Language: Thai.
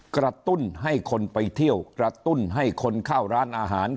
กระตุ้นให้คนไปเที่ยวกระตุ้นให้คนเข้าร้านอาหาร